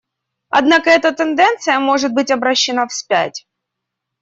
Однако эта тенденция может быть обращена вспять.